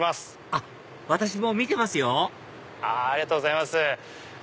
ありがとうございます。